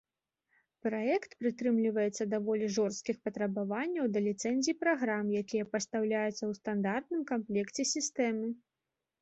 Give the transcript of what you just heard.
Праект прытрымліваецца даволі жорсткіх патрабаванняў да ліцэнзій праграм, якія пастаўляюцца ў стандартным камплекце сістэмы.